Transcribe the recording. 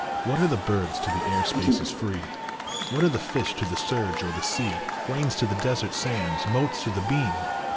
What are the birds to the air spaces free ? What are the fish to the surge or the sea, Grains to the desert sands, motes to the beam